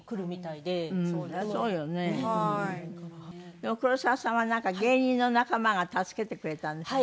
でも黒沢さんはなんか芸人の仲間が助けてくれたんですって？